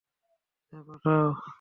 হ্যাঁ, পাঠাও।